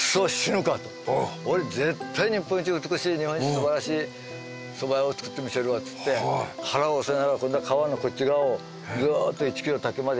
俺絶対日本一美しい日本一素晴らしいそば屋を作ってみせるわっつって腹を押さえながら今度は川のこっち側をずっと１キロ滝まで。